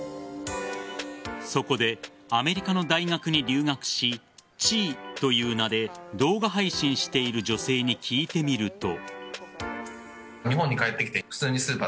そこで、アメリカの大学に留学しちーという名で動画配信している女性に聞いてみると。